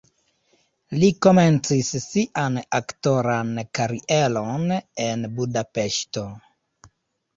Li komencis sian aktoran karieron en Budapeŝto.